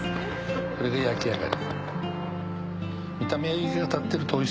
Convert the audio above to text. これで焼き上がり。